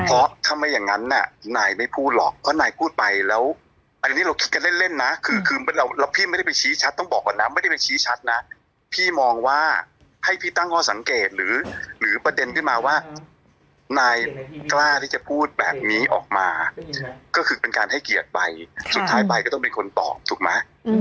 เพราะถ้าไม่อย่างนั้นน่ะนายไม่พูดหรอกเพราะนายพูดไปแล้วอันนี้เราคิดกันเล่นนะคือแล้วพี่ไม่ได้ไปชี้ชัดต้องบอกก่อนนะไม่ได้ไปชี้ชัดนะพี่มองว่าให้พี่ตั้งข้อสังเกตหรือประเด็นขึ้นมาว่านายกล้าที่จะพูดแบบนี้ออกมาก็คือเป็นการให้เกียรติไปสุดท้ายใบก็ต้องเป็นคนตอบถูกไหม